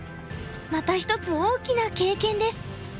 また一つ大きな経験です。